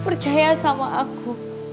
percaya sama aku